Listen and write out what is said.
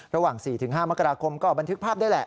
ระหว่าง๔๕มกราคมก็บันทึกภาพได้แหละ